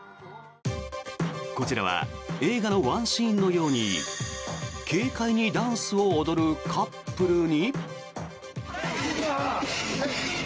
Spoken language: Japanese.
こちらは映画のワンシーンのように軽快にダンスを踊るカップルに。